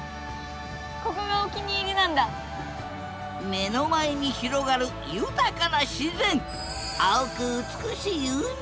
目の前に広がる豊かな自然青く美しい海。